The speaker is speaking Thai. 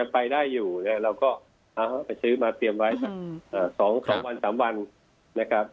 พออยู่เราก็ไปซื้อมาเตรียมไว้๒วัน๓วัน